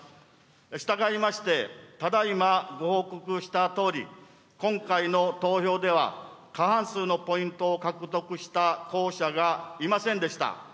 したがいまして、ただいまご報告したとおり、今回の投票では、過半数のポイントを獲得した候補者がいませんでした。